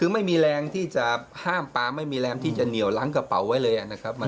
ไม่มีแรงที่จะห้ามกระเป๋าจะห้ามปลาไม่มีแรงที่จะเหนี่ยวล้างกระเป๋าไว้เลยนะครับ